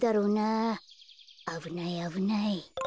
あぶないあぶない。